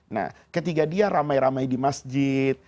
nah ketika dia rame rame di masjid